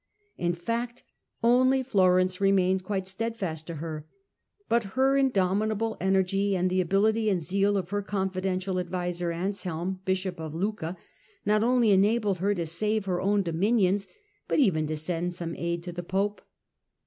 In fact, only Florence remained quite steadfast to her, but her indomitable energy and the ability and zeal of her confidential adviser, Anselm, bishop of Lucca, not only enabled her to save her own dominions, but even to send some aid to the pope.